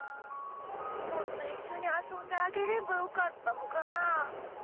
もっといっしょに、あそんであげればよかったのかな？